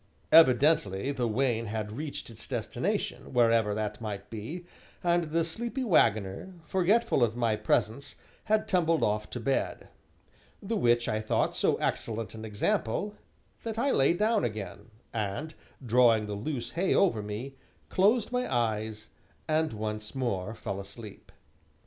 Evidently the wain had reached its destination, wherever that might be, and the sleepy wagoner, forgetful of my presence, had tumbled off to bed. The which I thought so excellent an example that I lay down again, and, drawing the loose hay over me, closed my eyes, and once more fell asleep.